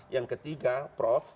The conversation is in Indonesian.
yang ketiga prof